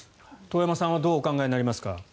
遠山さんはどうお考えになりますか？